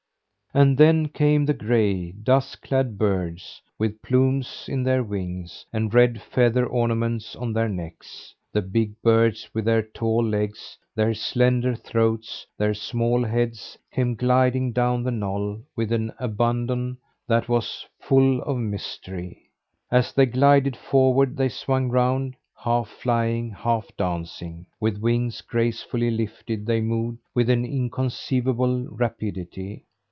And then came the gray, dusk clad birds with plumes in their wings, and red feather ornaments on their necks. The big birds with their tall legs, their slender throats, their small heads, came gliding down the knoll with an abandon that was full of mystery. As they glided forward they swung round half flying, half dancing. With wings gracefully lifted, they moved with an inconceivable rapidity.